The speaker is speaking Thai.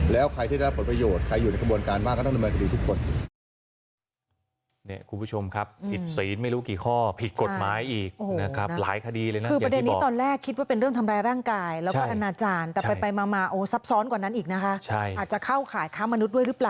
แล้วใครที่ได้รับผลประโยชน์ใครอยู่ในกระบวนการบ้างก็ต้องดำเนินคดีทุกคน